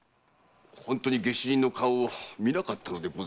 本当に下手人の顔を見なかったのでしょうか？